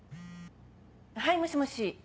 はいもしもし。